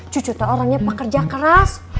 cucu teh orangnya pak kerja keras